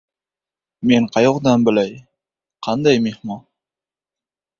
–Men qayoqdan bilay, qanday mehmon…